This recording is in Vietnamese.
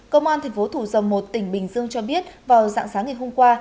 công an tp thủ dòng một tỉnh bình dương cho biết vào dạng sáng ngày hôm qua